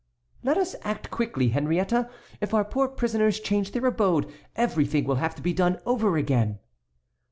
"Let us act quickly, Henriette. If our poor prisoners change their abode, everything will have to be done over again."